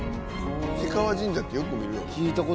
氷川神社ってよく見るよね。